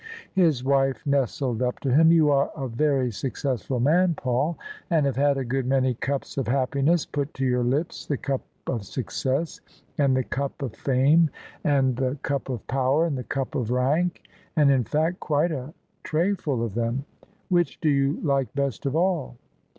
His wife nestled up to him :" You are a very successful man, Paul, and have had a good many cups of happiness put to your lips: the cup of success, and the cup of fame^ and the [ 350 ]: OF ISABEL CARNABY cup of power, and the cup of rank, and in fact quite a tray ful of them. Which do you like best of all